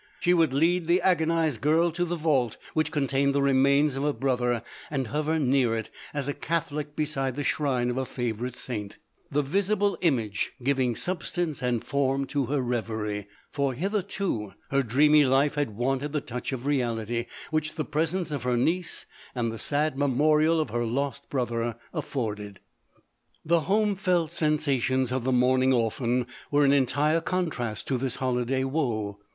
She would lead the agonized girl to the vault which contained the remains of her brother, and hover near it, as a Catholic be side the shrine of a favourite saint — the visible image giving substance and form to her reverie ; for hitherto, her dreamy life had wanted the touch of reality, which the presence of her niece, and the sad memorial of her lost brother, afforded. The home felt sensations of the mourning 1 orphan, were in entire contrast to this holiday woe.